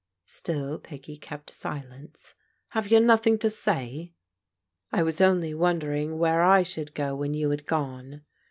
Still Peggy kept silence. " Have you nothing to say ?"" I was only wondering where I should go when you had gone."